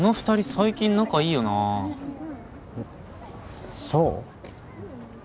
最近仲いいよなそう？